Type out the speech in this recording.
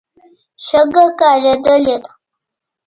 شګه کارېدلې ده.